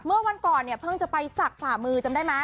เมื่อวันก่อนเนี่ยเพิ่งจะไปศักดิ์ฝ่ามือจำได้ไหม